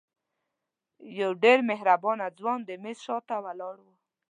یو ډېر مهربانه ځوان د میز شاته ولاړ و.